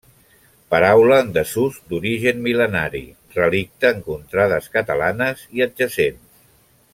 Paraula en desús d'origen mil·lenari, relicte en contrades catalanes i adjacents.